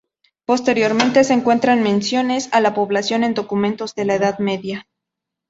Posteriormente, se encuentran menciones a la población en documentos de la Edad Media.